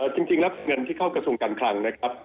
จริงแล้วเงินที่เข้ากระทรวงการคลังนะครับ